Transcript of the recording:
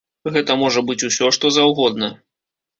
Гэта можа быць усё, што заўгодна.